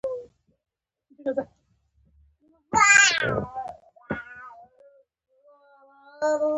دښتې ته يې وکتل.